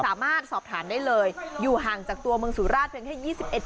สามารถสอบถามได้เลยอยู่ห่างจากตัวเมืองสุราชเพียงแค่ยี่สิบเอ็ด